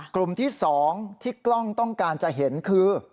กลุ่มที่๒ที่กล้องต้องการจะเห็นคือ